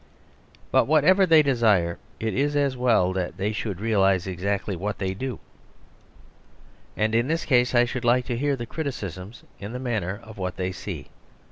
But whatever they desire, it is as well that they should realise exactly what they do; and in this case I should like to hear their criticisms in the matter of what they see.